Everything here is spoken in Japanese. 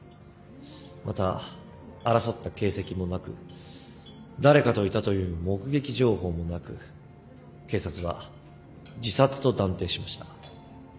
また争った形跡もなく誰かといたという目撃情報もなく警察は自殺と断定しました。